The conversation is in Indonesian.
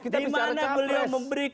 di mana beliau memberi